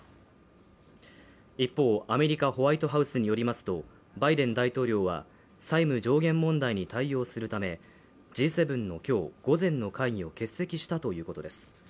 一方、アメリカ・ホワイトハウスによりますとバイデン大統領は債務上限問題に対応するためＧ７の今日午前の会議を欠席したということです。